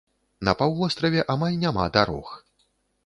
На паўвостраве амаль няма дарог.